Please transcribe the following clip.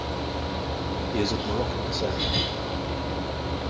He is of Moroccan descent.